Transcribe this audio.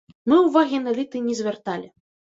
Мы ўвагі на літый не звярталі.